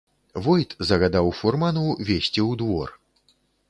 Войт загадаў фурману везці ў двор.